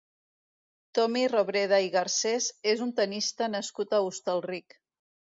Tommy Robreda i Garcés és un tennista nascut a Hostalric.